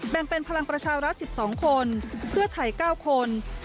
แบ่งเป็นพลังประชารัฐ๑๒คนเพื่อไทย๙คน